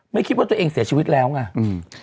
ไม่คิดว่าตัวเองเสียชีวิตแล้วไงอืม